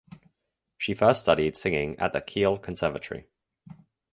She first studied singing at the Kiel Conservatory.